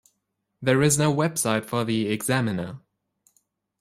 There is no website for the "Examiner".